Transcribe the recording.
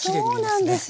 そうなんですよ。